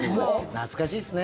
懐かしいですね。